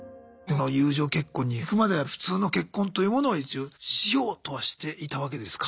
友情結婚にいくまでは普通の結婚というものを一応しようとはしていたわけですか？